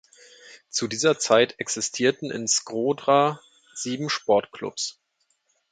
Zu dieser Zeit existierten in Shkodra sieben Sportclubs.